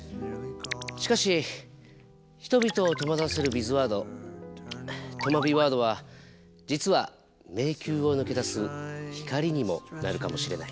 しかし人々を戸惑わせるビズワード。とまビワードは実は迷宮を抜け出す光にもなるかもしれない。